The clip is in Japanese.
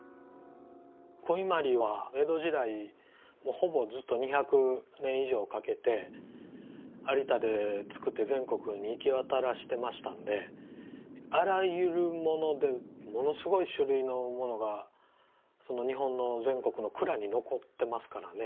ほぼずっと２００年以上かけて有田で作って全国に行き渡らせてましたんであらゆるものでものすごい種類のものが日本の全国の蔵に残ってますからね。